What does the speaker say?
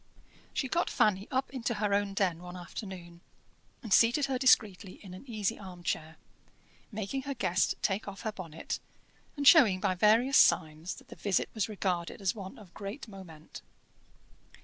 She got Fanny up into her own den one afternoon, and seated her discreetly in an easy arm chair, making her guest take off her bonnet, and showing by various signs that the visit was regarded as one of great moment.